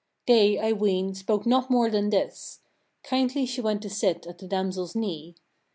8. They, I ween, spoke not more than this: kindly she went to sit at the damsel's knee.